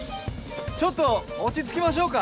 ちょっと落ち着きましょうか。